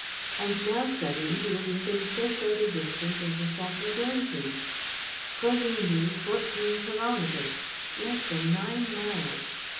And now suddenly he was within so short a distance of the Château d'Ornequin! "Corvigny, 14 kilometers:" less than nine miles!